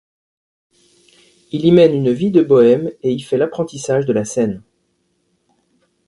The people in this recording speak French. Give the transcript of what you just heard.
Il y mène une vie de bohème et y fait l'apprentissage de la scène.